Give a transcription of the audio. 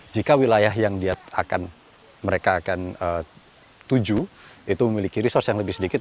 jika wilayah yang mereka akan tuju itu memiliki resource yang lebih sedikit